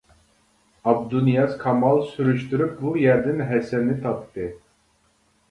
ئابدۇنىياز كامال سۈرۈشتۈرۈپ بۇ يەردىن ھەسەننى تاپتى.